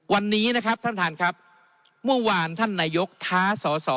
วันนี้นะครับท่านท่านครับเมื่อวานท่านนายกท้าสอสอ